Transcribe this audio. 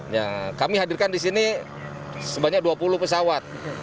ya kami hadirkan disini sebanyak dua puluh pesawat